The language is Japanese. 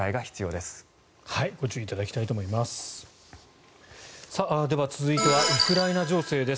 では、続いてはウクライナ情勢です。